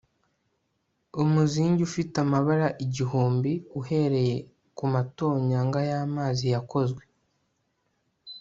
umuzingi ufite amabara igihumbi, uhereye kumatonyanga y'amazi yakozwe